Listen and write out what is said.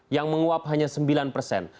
yang menguap hanya sembilan persen